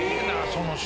その人。